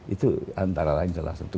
itu antara lain salah satu